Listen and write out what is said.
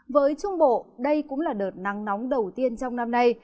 với trung bộ đây cũng là đợt nắng nóng đầu tiên trong năm nay